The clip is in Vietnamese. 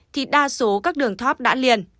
thì đa số các đường thóp đã liền